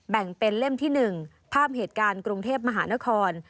แบ่งเป็นเล่มที่๑ภาพเหตุการณ์กรุงเทพมหานคร